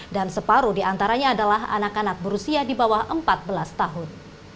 dan separuh diantaranya adalah anak anak berusia di bawah empat belas tahun